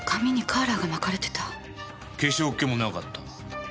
化粧っ気もなかった。